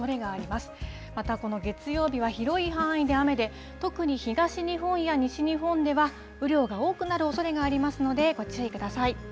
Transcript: またこの月曜日は広い範囲で雨で、特に東日本や西日本では、雨量が多くなるおそれがありますので、ご注意ください。